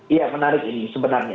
iya menarik ini sebenarnya